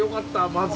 まず。